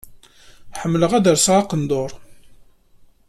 Ḥemmleɣ ad lseɣ aqendur.